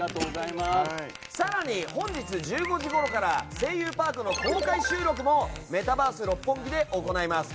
更に、本日１５時ごろから「声優パーク」の公開収録もメタバース六本木で行います。